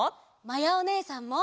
まやおねえさんも。